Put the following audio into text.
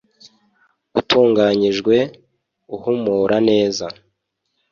utunganyijwe uhumura neza